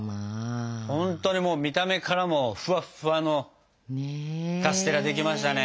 ほんとにもう見た目からもフワッフワのカステラできましたね。